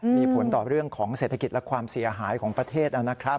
มีผลต่อเรื่องของเศรษฐกิจและความเสียหายของประเทศนะครับ